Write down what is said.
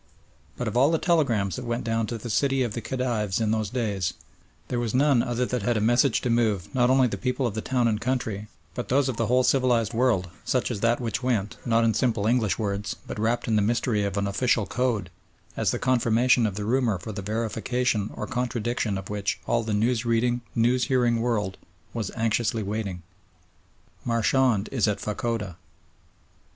But of all the telegrams that went down to the city of the Khedives in those days, there was none other that had a message to move, not only the people of the town and country, but those of the whole civilised world, such as that which went, not in simple English words, but wrapped in the mystery of an official code, as the confirmation of the rumour for the verification or contradiction of which all the news reading, news hearing world was anxiously waiting. "Marchand is at Fachoda."